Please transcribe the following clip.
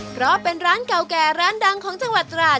เพราะเป็นร้านเก่าแก่ร้านดังของจังหวัดตราด